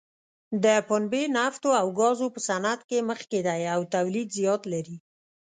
د پنبې، نفتو او ګازو په صنعت کې مخکې دی او تولید زیات لري.